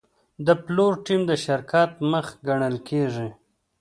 د پلور ټیم د شرکت مخ ګڼل کېږي.